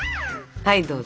はいどうぞ。